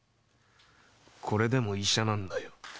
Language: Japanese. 「これでも医者なんだよ」